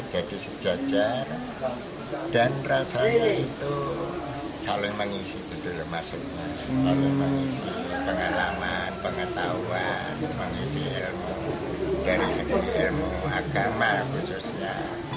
dari segi ilmu agama khususnya